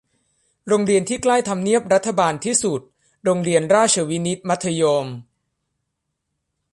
โรงเรียนที่ใกล้ทำเนียบรัฐบาลที่สุด - โรงเรียนราชวินิต มัธยม